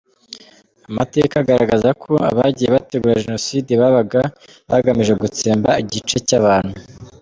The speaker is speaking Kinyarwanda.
Amateka agaragaza ko abagiye bategura Jenoside babaga bagamije gutsemba igice cy’abantu.